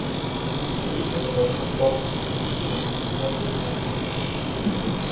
Les autorisations portent sur une durée maximale de cinq ans.